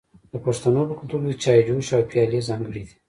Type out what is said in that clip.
د پښتنو په کلتور کې د چای جوش او پیالې ځانګړي دي.